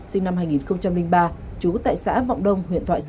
sinh năm hai nghìn ba chú tại xã vọng đông